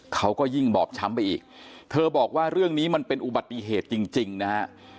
เขาก็ยิ่งบอบช้ำไปอีกเธอบอกว่าเรื่องนี้มันเป็นอุบัติเหตุจริงนะฮะ